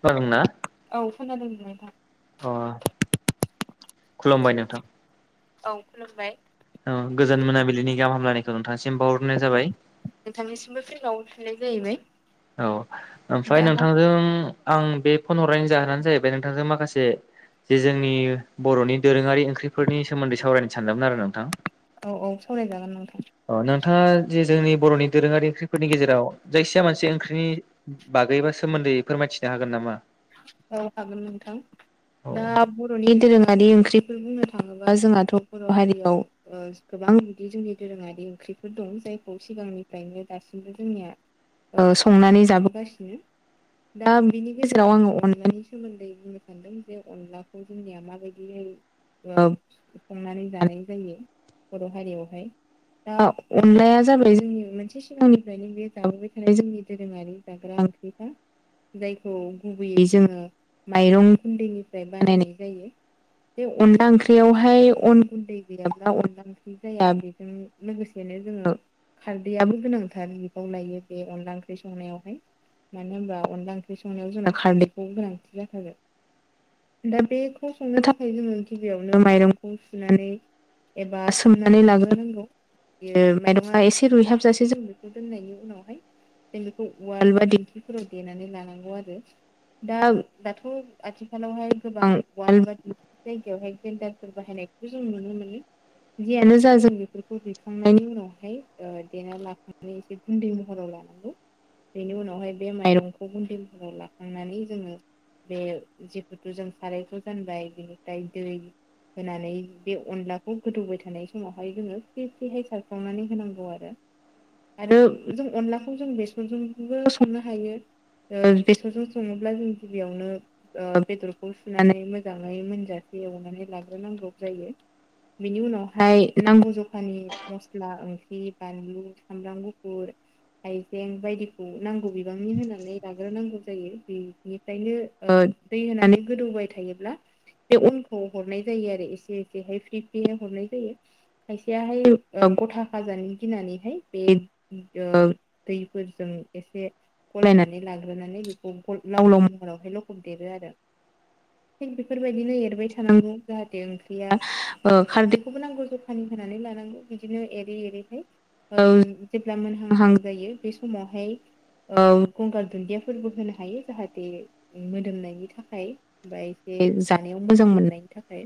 खोनादों ना? औ खोनादों नोंथां। अ' खुलुमबाय नोंथां। औ खुलुमबाय। औ गोजान मोनाबिलिनि गाह हामलायनायखौ नोंथांसिम बावहरनाय जाबाय। बावहरनाय जाबाय। औ ओमफ्राय नोंथांजों आं बे फन हरनायनि जाहोनानो जाहैबाय नोंथांजों माखासे जे जोंनि बर'नि दोरोङारि ओंख्रिफोरनि सोमोन्दै सावरायनो सानदोंमोन आरो नोंथां? औ औ सावरायजागोन नोंथां। अ नोंथाङा जे जोंनि बर'नि दोरोङारि ओंख्रिनि गेराव जायखिजाया मोनसे ओंख्रिनि बागैबा सोमोन्दै फोरमायथिनो हागोन नामा? औ हागोन नोंथां औ दा बर'नि दोरोङारि ओंख्रिफोर बुंनो थाङोबा जोंहाथ' बर' हारियाव ओ गोबां बिदि जोंनि दोरोङारि ओंख्रि बेफोर दं जायखौ सिगांनिफ्रायनो दासिमबो जोंनिया ओ संनानै जाबोगासिनो। दा बिनि गे जेराव आङो अनलानि सोमोन्दै बुंनो सानदों जे अनलाखौ जोंनिया माबायदियै ओ संनानै जानाय जायो बर' हारियावहाय‌ दा अनलाया जाबाय जोंनि मोनसे सिगांनिफ्रायनो बे जाबोबाय थानाय जोंनि दोरोङारि जाग्रा [unintelligible] जायखौ गुबैयै जोङो माइरं गुन्दैनिफ्राय बानायनाय जायो। बे अनला ओंख्रियावहाय अन गुन्दै गैयाब्ला अनला ओंख्रि जाया बेजों लोगोसेनो बिनिफ्राय जोङो खारदैआबो गोनांथार बिफाव लायो बे अनला ओंख्रि संनायावहाय। मानो होनबा अनला ओंख्रि संनायाव जोंना खारैखौ गोनांथि जाखागोन। दा बेखौ संनो थाखाय जोङो गिबियावनो माइरंखौ सुनानै एबा सोमनानै लाग्रोनांगौ। बेयो माइरङा‌ एसे रुइहाबजासेजों बेखौ दोननायनि उनावहाय जों बेखौ उवाल बा दिंखिफोराव देनानै लानांगौ आरो दा दाथ' गोबां अवाल बा बेफोर जायगायावहाय ग्रेन्दारफोर बाहाय बाहायनायखौ जों नुनो मोनो जियानो जा जों बेफोरखौ देखांनायनि उनावहाय ओ देना लाखांनानै एसे गुन्दै महराव लानांगौ बेनि उनावहाय बे माइरंखौ गुन्दै महराव लाखांनानै जोङो बे जिहुथु जों सारायखौ जानबाय बिनिफ्राय दै होनानै बे अनलाखौ गोदौबाय थानाय समावहाय जोङो फ्रि फ्रिहाय सारफावनानै होनांगौ आरो आरो जों अनलाखौ जों बेसनजोंबो संनो हायो ओ बेसनजों सङोब्ला जों गिबियावनो ओ बेदरखौ सुनानै मोजाङै मोनजासे एवनानै लाग्रोनांगौ। नांगौ जायो बेनि उनावहाय नांगौ जखानि मस्ला ओंख्रि बानलु सामब्राम गुफुर हाइजें बायदिखौ नांगौ बिबांनि होनानै लाग्रोनांगौ जायो बेनिफ्रायनो ‍ओ दै होनानै गोदौबाय थायोब्ला बे अनखौ हरनाय जायो आरो एसे एसेहाय फ्रि फ्रि हरनाय जायो खायसेयाहाय औ गथा खाजानो गिनानैहाय बे ओ दैफोरजों एसे गलाय‌ नानै लाग्रोनानै बेखौ लाव-लाव महरावहाय लखम देरो आरो थिग बेफोरबायदिनो एरबाय थानांगौ जाहाथे ओंख्रिया खारदैखौबो नांगौ जखानि होनानै लानांगौ बिदिनो एरि एरि हाय ओ जेब्ला मोनहां हां जायो बे समावहाय औ गंगार दुन्दिया फोरबो होनो हायो जाहाथे मोदोमनायनि थाखाय बा एसे जानायाव मोजां मोननायनि थाखाय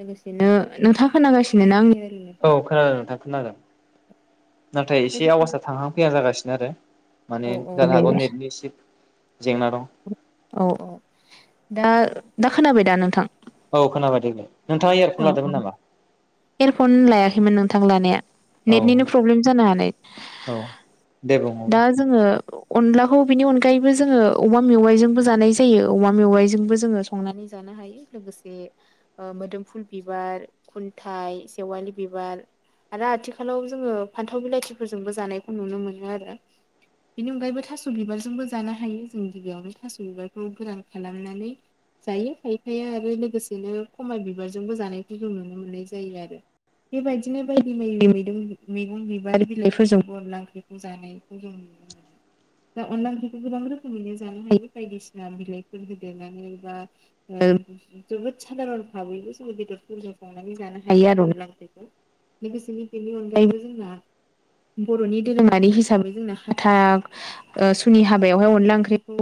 लोगोसेनो नोंथाङा खोनागासिनो आंनि औ खोनादों नोंथां खोनादों। नाथाय एसे आवासआ थांहां फैया जागासिनो आरो माने जानो दे हागौ दे नेटनि एसे जेंना दं औ दा दा खोनाबाय दा नोंथां? औ खोनाबाय दे औ औ एयारफन लायाखैमोन नोंथां लानाया औ नेटनिनो प्रब्लेम जानो हानाय औ दे बुं दा जोङो अनलाखौ बिनि अनगायैबो जोङो अमा मेवाइजोंबो जानाय जायो अमा मेवाइजोंबो जोङो संनानै जानाय जानो हायो लोगोसे ओ मोदोम फुल बिबार खुन्थाइ सेवालि बिबार आरो आथिखालाव जोङो फान्थाव बिलाथिफोरजोंबो जानायखौ नुनो मोनो आरो बेनि अनगायैबो थास' बिबारजोंबो जानो हायो जों गिबियावनो थास' बिबारखौ गोरान खालामनानै जायो खायफाया आरो लोगोसेनो खोमा बिबारजोंबो जानायखौ जों नुनो मोननाय जायो आरो बेबायदिनो बायदि-बायदि मैदं मैगं बिबार बिलाइफोरजोंबो अनला ओंख्रिखौ जानायखौ जों [inaudible] दा अनला ओंख्रिखौ गोबां रोखोमैनो जानो हायो बायदिसिना बिलाइफोर होदेरनानै बा जोबोद साधारन भाबैबो जों बेदरफोरजों संनानै जानो हायो आरो अनला ओंख्रिखौ लोगोसेनो बेनि अनगायैबो जोंना बर'नि दोरोङारि हिसाबै जोंना हाथा ओ सुनि हाबायावहाय अनला ओंख्रिखौ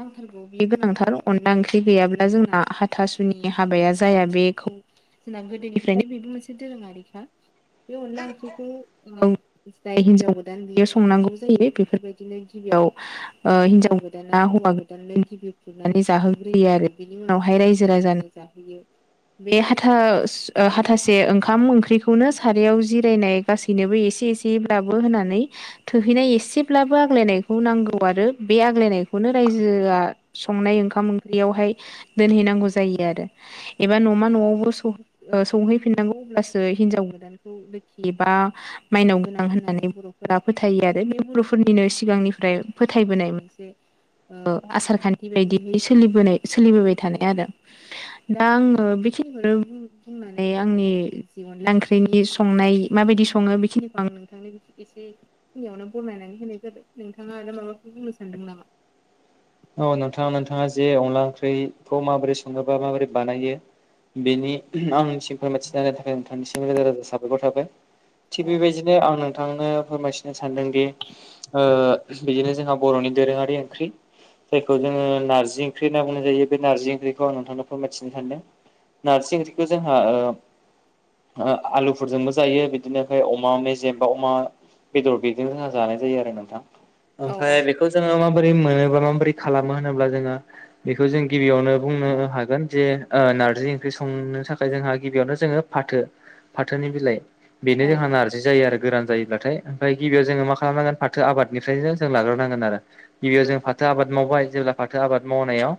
नांथारगौ बे गोनांथार अनला ओंख्रि गैयाब्ला जोंना हाथासुनि हाबाया जाया बे खौ जोंना गोदोनिफ्रायनो बेबो मोनसे दोरोङारिखा बे अनला ओंख्रिखौ जाय हिनजाव गोदान बियो संनांगौ जायो बेफोरबायदिनो गिबि याव ओ हिनजाव गोदाना हौवा गोदाननो गिबि खुरनानै जाहोग्रोयो आरो बेनि उनावहाय राइजोआव रायजो राजानो जाहोयो बे हाथासु हाथासे ओंखाम ओंख्रिखौनो सारियाव जिरायनाय गासैनोबो एसे एसेयैब्लाबो होननानै थोहैनाय एसेब्लाबो आग्लायनायखौ नांगौ आरो बे आग्लायनायखौनो राइजोआ संनाय ओंखाम ओंख्रियावहाय दोनहैनांगौ जायो आरो एबा नोमा न'वावबो सौहैफिननांगौ अब्लासो हिनजाव गोदानखौ लोखि बा माइनाव गोनां होननानै बर'फोरा फोथायो आरो बे बर'फोरनिनो सिगांनिफ्राय फोथायबोनाय मोनसे आसार खान्थि बायदि सोलिबोनाय सोलिबोबाय थानाय आरो दा आं बेखिनिखौनो बुंना नानै आंनि जि अनला ओंख्रिनि संनाय माबायदि सङो बेखिनिखौ आं नोंथांनो एसे खिनियावनो बरनायनानै होनाय जाबाय नोंथाङा आरो माबाफोर बुंनो सानदों नामा [unintelligible] औ नोंथां नोंथाङा जे अनला ओंख्रिखौ माबोरै सङोबा माबोरै बानायो बेनि आंनिसिम फोरमायथिना होनाय थाखाय नोंथांनिसिम रोजा रोजा साबायखर थाबाय थिग बेबायदिनो आं नों थांनो फोरमायथिनो सानदोंदि ओ बिदिनो जोंहा बर'नि दोरोङारि ओंख्रि जायखौ जोङो नारजि ओंख्रि होनना बुंनाय जायो बे नारजि ओंख्रिखौ आं नोंथांनो फोरमायथिनो सानदों नारजि ओंख्रिखौ जोंहा आलुफोरजोंबो जायो बिदिनो आमफाय अमा मेजेम बा अमा बेदर बेजों जोंहा जानाय जायो आरो नोंथां ओमफ्राय बेखौ जोङो माबोरै मोनो बा माबोरै खालामो होनोब्ला जोङो बेखौ जों गिबियावनो बुंनो हागोन जे नारजि ओंख्रि सं नो थाखाय जोंहा गिबियावनो जोङो फाथो फाथोनि बिलाइ बेनो जोंहा नारजि जायो आरो गोरान जायोब्लाथाय ओमफाय गिबियाव जोङो मा खालामनांगोन फाथो आबादनिफ्रायनो जों लाग्रोनांगोन आरो गिबियाव जों फाथो आबाद मावबाय जेब्ला फाथो आबाद मावनायाव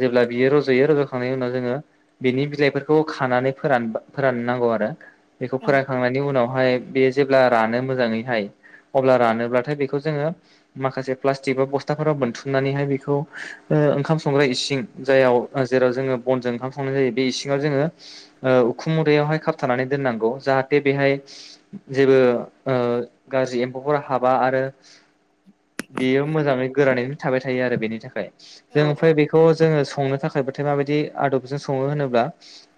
जेब्ला बियो रज'यो रज'खांनायनि उनाव जोङो बिनि बिलाइ फोरखौ खानानै फोराननांगौ आरो बेखौ फोरानखांनायनि उनाव आमफाय बे जेब्ला रानो मोजाङैहाय अब्ला रानोब्लाथाय बेखौ जोङो माखासे प्लास्टिक बा बस्थाफोराव बोन्थुम नानैहाय बेखौ ओंखाम संग्रा इसिं जाय जेराव जोङो बनजों ओंखाम संनाय जायो बे इसिं ङाव जोङो उखुम मुदायावहाय खाबथानानै दोननांगौ जाहाथे बेहाय जेबो ओ गाज्रि एम्फौफोर हाबा आरो बेयो मोजाङै गोरानै थाबाय थायो आरो बेनि थाखाय जों ओमफ्राय बेखौ जोङो संनो थाखायबो नाथाय माबायदि आदबजों सङो होनोब्ला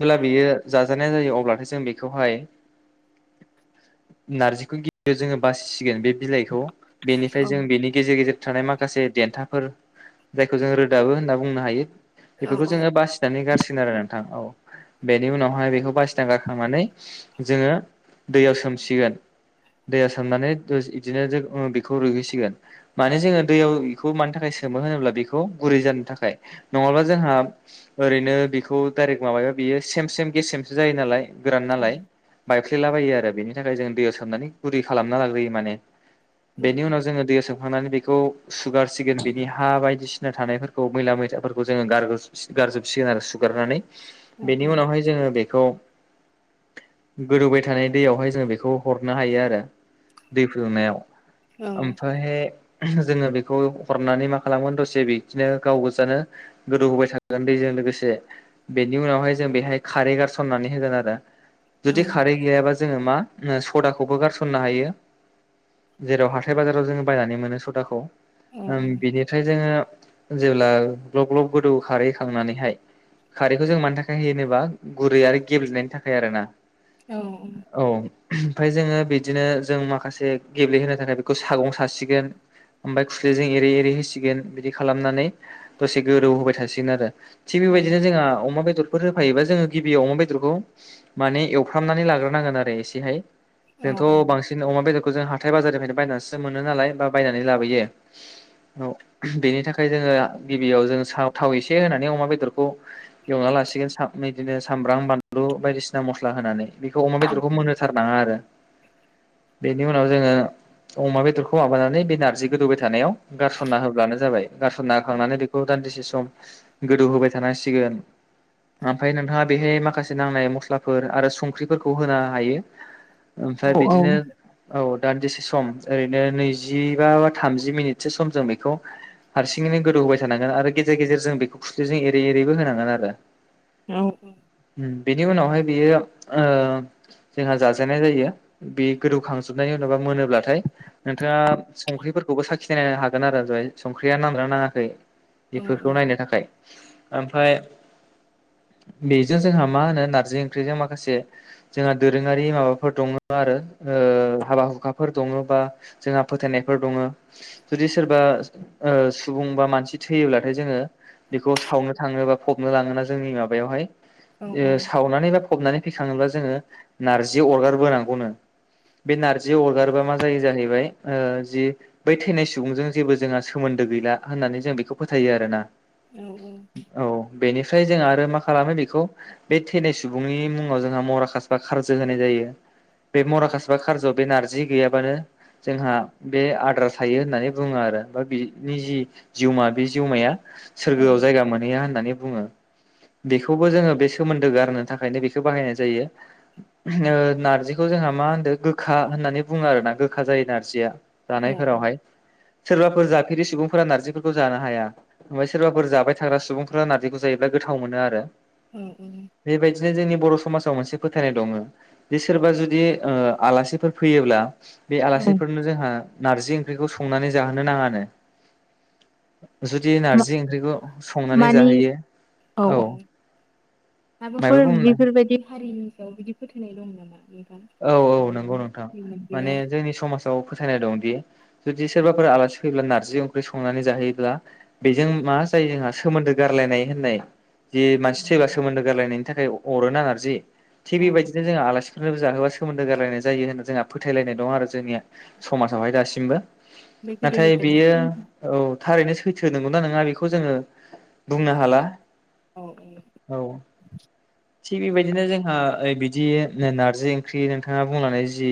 जेब्ला बेयो जाजानाय जायो अब्लाथाय जों बेखौहाय नारजिखौ गिबियाव जोङो बासिसिगोन बे बिलाइखौ बेनिफ्राय जों बेनि गेजेर गेजेर थानाय माखासे देन्थाफोर जायखौ जों रोदाबो होनना बुंनो हायो बेफोरखौ जोङो बासिनानै गारसिगोन आरो नोंथां औ बेनि उनावहाय बेखौ बासि ना गारखांनानै जोङो दैयाव सोमसिगोन दैयाव सोमनानै बिदिनो ओ बेखौ रुइहैसिगोन माने जोङो दैयाव बेखौ मानि थाखाय सोमो होनोब्ला बेखौ गुरै जानो थाखाय नङाबा जोंहा ओरैनो बेखौ डाइरेक माबायोबा बियो सेम सेम गेसेम जायो नालाय गोरान नालाय बायफ्लेलाबायो आरो बेनि थाखाय जों दैयाव सोमनानै गुरै खालामना लाग्रोयो माने बेनि उनाव जोङो दैयाव सोमखांनानै बेखौ सुगारसिगोन बिनि हा बायदिसिना थानायफोरखौ मैला मैथाफोरखौ जोङो गारजोबसिगोन आरो सुगारनानै बेनि उनावहाय जोङो बेखौ गोदौबाय थानाय दैयावहाय जों बेखौ हरनो हायो आरो दै फुनायाव ओमफ्राय जोङो बे बेखौ हरनानै मा खालामगोन दसे बिदिनो गाव गोजानो गोदौ होबाय थागोन दैजों लोगोसे से बेनि उनावहाय जों बेहाय खारै गारसननानै होगोन आरो जुदि खारै गैयाबा जोङो मा सदाखौबो गारसननो हायो जेराव हाथाय बाजाराव जोङो बायनानै मोनो सदाखौ बिनिफ्राय जोङो जेब्ला ग्लब ग्लब गोदौ खारैखांनानैहाय खारैखौ जों मानि थाखाय होयो होनोबा गुरै आरो गेब्लेनायनि थाखाय आरो ना औ ओमफ्राय जोङो बिदिनो जों माखासे गेब्लेहोनो थाखाय बेखौ सागं सासिगोन ओमफ्राय खुरैजों एरै एरै होसिगोन बिदि खालामनानै दसे गोदौ होबाय थासिगोन आरो थि बेबायदिनो जोंहा अमा बेदर फोर होफायोबा जोङो गिबियाव अमा बेदरखौ माने एवफ्रामनानै लाग्रोनांगोन आरो एसेहाय जोंथ' बांसिन अमा बेदरखौ जों हाथाय बाजारनिफ्रायनो बायनानैसो मोनो नालाय बा बायनानै लाबोयो औ बेनि थाखाय जोङो गिबियाव जों थाव एसे होनानै अमा बेदरखौ एवनानै लासिगोन बिदिनो सामब्राम बानलु बायदिसिना मस्ला होनानै बेखौ अमा बेदरखौ मोनोथारनाङा आरो बेनि उनाव जोङो अमा बेदरखौ माबानानै बे नारजि गोदौबाय थानायाव गारसनना होब्लानो जाबाय गारस'ना होखांनानै बेखौ दान्दिसे सम गोदौ होबाय थानांसिगोन ओमफ्राय नोंथाङा बेहाय माखासे नांनाय मस्लाफोर आरो संख्रिफोरखौ होनो हायो ओमफ्राय बिदिनो औ दान्दिसे सम ओरैनो नैजिबा थामजि मिनिटसो सम जों बेखौ हारसिङैनो गोदौ होबाय थानांगोन आरो गेजेर गेजेर जों बेखौ खुरैजों एरै एरै बो होनांगोन आरो औ औ बिनि उनावहाय बियो ओ जोंहा जाजेननाय जायो बे गोदौखांजोबनाय होनोबा मोनोब्लाथाय नोंथाङा संख्रिफोर बेखौबो साखिनायनो हागोन आरो जहाय संख्रिया नांना नाङाखै बेफोरखौ नायनो थाखाय ओमफ्राय बेजों जोंहा मा होनो नारजि ओंख्रिजों माखासे जोंहा दोरोङारि माबाफोर दङ आरो ओ हाबा हुखाफोर दङ बा जोंहा फोथायनायफोर दङो जुदि सोरबा सुबुं बा मानसि थैयोब्लाथाय जोङो बेखौ सावनो थाङोबा फबनो लाङोना जोंनि माबायावहाय ओ सावनानै बा फबनानै फैखाङोब्ला जोङो नारजि अरगार बोनांगौनो बे नारजि अरगारोबा मा जायो जाहैबाय ओ जि बै थैनाय सुबुंजों जेबो जोंहा सोमोन्दो गैला होननानै जों बेखौ फोथायो आरोना औ बेनिफ्राय जों आरो मा खालामो बेखौ बे थैनाय सुबुंनि मुङाव जोंहा मराकास बा खारजो होनाय जायो बे मराकास बा खारजु बे नारजि गैयाबानो जोंहा बे आद्रा थायो होननानै बुङो आरो बा बिनि जि जिउमा बे जिउमाया सोरगोआव जायगा मोनहैया होननानै बुङो बेखौबो जोङो बे सोमोन्दो गारनो थाखायनो बेखौ बाहायनाय जायो नारजिखौ जों जोंहा मा होनदो गोखा होननानै बुङो आरोना गोखा जायो नारजिया जानायफोरावहाय सोरबाफोर जाफेरि सुबुंफोरा नारजिफोरखौ जानो हाया ओमफ्राय सोरबाफोर जाबाय थाग्रा सुबुंफोरा नारजिखौ जायोब्ला गोद थाव मोनो आरो बेबायदिनो जोंनि बर' समाज जाव मोनसे फोथायनाय दङ जे सोरबा जुदि आलासिफोर फैयोब्ला बे आलासिफोरनो जोंहा नारजि ओंख्रिखौ संनानै जाहोनो नाङानो जुदि नारजि ओंख्रिखौ संनानै मानि जाहोयो औ मायबा माबाफोर बुंनो बेफोरबायदि हारिनि सायाव बिदि फोथायनाय दं नामा औ औ नंगौ नोंथां माने जोंनि समाजाव फोथायनाय दंदि जुदि सोरबाफोरा आलासि फैब्ला नारजि जि ओंख्रि संनानै जाहैयोब्ला बेजों मा जायो जोंहा सोमोन्दो गारलायनाय होननाय जे मानसि थैबा सोमोन्दो गारलायनायनि थाखाय अरो ना नारजि थिग बेबायदिनो जों आलासिफोरनोबो जाहोबा सोमोन्दो गारलायनाय जायो होनना जोंहा फोथायलायनाय दं आरो जोंनिया समाजावहाय दासिमबो नाथाय बेयो औ थारैनो सैथो नंगौना नङा बेखौ जोङो बुंनो हाला औ थि बेबायदिनो जोंहा बिदि नार्जि ख्रि नोंथाङा बुंनानै जि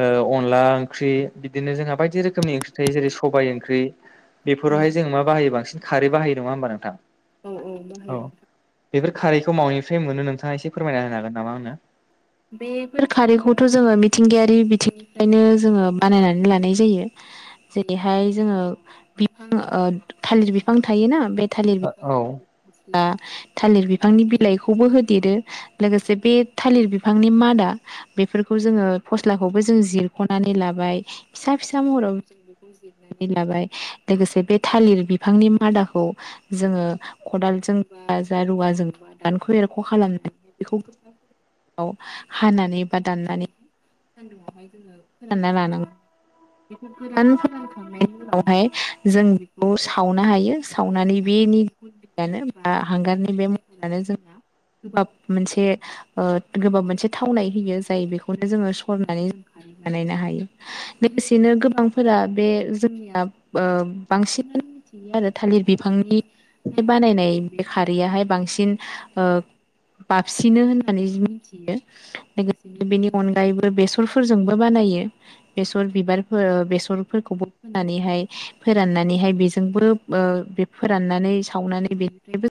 ओ अनला ओंख्रि बिदिनो जोंहा बायदि रोखोम रोखोमनि ओंख्रि थायो जेरै सबाइ ओंख्रि बेफोरावहाय जोङो मा बाहायो बांसिन खारै बाहायो नङा होमबा नोंथां औ औ बाहायो। बेफोर खारैखौ मावनिफ्राय मोनो नोंथाङा एसे फोरमायना होनो हागोन नामा आंनो? बेफोर खारैखौथ' जोङो मिथिंगायारि बिथिंनिफ्रायनो जोङो बानायनानै लानाय जायो जेरैहाय जोङो बिफां थालिर बिफां थायोना बे थालिर आंनो औ [unintelligible] थालिर बि फांनि बिलाइखौबो होदेरो, लोगोसे बे थालिर बि फांनि मादा बेफोरखौ जोङो फस्लाखौबो जों जिरखनानै लाबाय फिसा फिसा मह [unintelligible] जिरनानै लाबाय लोगोसे बे थालिर बिफांनि मादाखौ जोङो खदाल जोंबा जा रुवा जोंबा दानख एरख खालामनानै बेखौ [unintelligible] हानानै बा दाननानै [unintelligible] लानांगौ बेखौ गोरान फोरानखांनायनि उनावहाय जों बेखौ सावनो हायो सावनानै बे बेनि [unintelligible] बा हांगारनि बे महरानो जोंना गोबाब मोनसे ओ गोबाब मोनसे थावनाय होयो जाय बेखौनो जोङो सरनानै [unintelligible] बानायनो हायो लोगोसेनो गोबांफोरा बे जोंनिया ओ बांसिनानो मिथियो आरो थालिर बिफांनि बे बानायनाय बे खारौयाहाय बांसिन ओ बाबसिनो होननानै जों मिथियो लोगोसेनो बेनि अनगायैबो बेसरफोरजोंबो बानायो बेसर बिबारफोर ओ बेसरफोरखौबो फानैहाय फोराननानैहाय बेजोंबो ओ बे फोराननानै सावनानै बेनिफ्रायबो